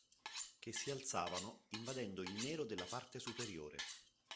Che si alzavano invadendo il nero della parte superiore.